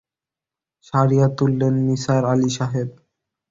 সারিয়ে তুললেন নিসার আলি সাহেব।